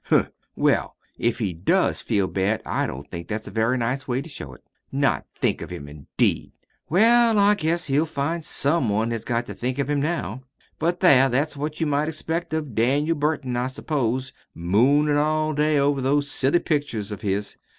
"Humph! Well, if he does feel bad I don't think that's a very nice way to show it. Not think of him, indeed! Well, I guess he'll find SOME one has got to think of him now. But there! that's what you might expect of Daniel Burton, I s'pose, moonin' all day over those silly pictures of his.